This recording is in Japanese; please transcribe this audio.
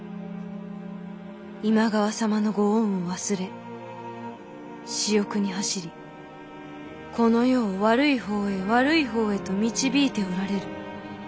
今川様のご恩を忘れ私欲に走りこの世を悪い方へ悪い方へと導いておられる。